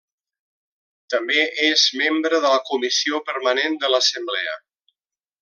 També és membre de la Comissió Permanent de l'Assemblea.